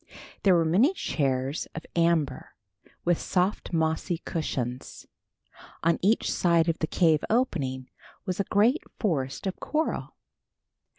There were many chairs of amber with soft mossy cushions. On each side of the cave opening was a great forest of coral.